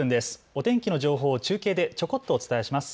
お天気の情報を中継でちょこっとお伝えします。